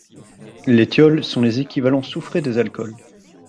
Les thiols sont les équivalents soufrés des alcools.